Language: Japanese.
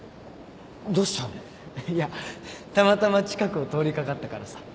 いやたまたま近くを通りかかったからさ。